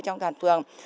trong toàn phường